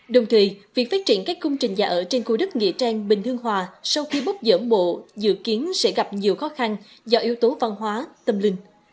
đồng thời việc phát triển các công trình nhà ở trên khu đất nghĩa trang bình hương hòa sau khi bốc dở bộ dự kiến sẽ gặp nhiều khó khăn do yếu tố văn hóa tâm linh